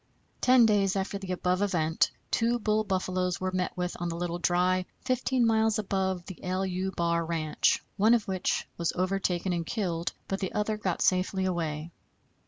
Ten days after the above event two bull buffaloes were met with on the Little Dry, 15 miles above the =LU= bar ranch, one of which was overtaken and killed, but the other got safely away.